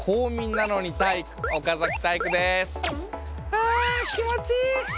ああ気持ちいい！